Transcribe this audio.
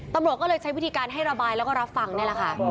ตำรวจก็เลยใช้วิธีการให้ระบายแล้วก็รับฟังนี่แหละค่ะ